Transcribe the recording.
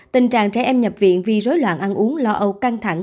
tình trạng trẻ em nhập viện vì rối loạn ăn uống lo âu căng thẳng